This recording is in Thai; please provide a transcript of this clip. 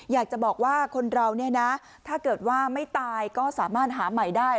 อยากจะบอกว่าคนเราเนี่ยนะถ้าเกิดว่าไม่ตายก็สามารถหาใหม่ได้